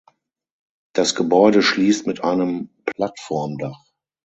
Das Gebäude schließt mit einem Plattformdach.